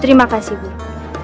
terima kasih guru